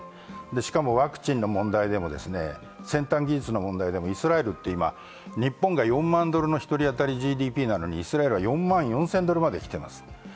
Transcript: しかも、ワクチンの問題でも、先端技術の問題でもイスラエルは日本は４万ドルなのにイスラエルは４万４０００ドルまできています。